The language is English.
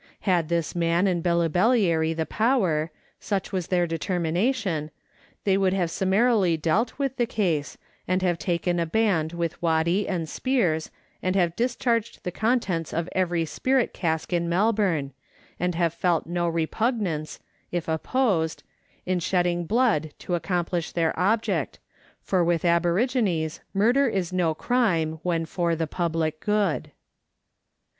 Had this man and Billibellary the power such was their determination they would have summarily dealt with the case, and have taken a band with waddy and spears, and have discharged the contents of every spirit cask in Melbourne, and have felt no repugnance (if opposed) in shedding blood to accomplish their object, for with aborigines murder is no crime when for the public good.